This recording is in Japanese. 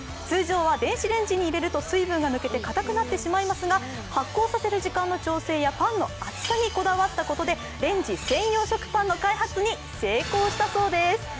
通常は電子レンジに入れると水分が抜けて固くなってしまいますが発酵させる時間の調整やパンの厚さにこだわったことでレンジ専用食パンの開発に成功したそうです。